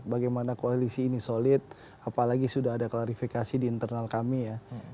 bagaimana koalisi ini solid apalagi sudah ada klarifikasi di internal kami ya